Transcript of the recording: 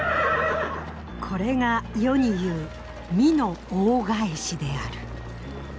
これが世にいう美濃大返しである。